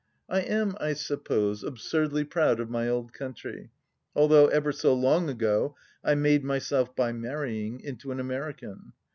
I am, I suppose, absurdly proud of my old country, although ever so long ago I made myself, by marrying, into an American.